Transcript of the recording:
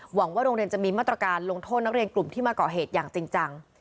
หวังว่าโรงเรียนจะมีมาตรการลงโทษนักเรียนกลุ่มที่มาก่อเหตุอย่างจริงจัง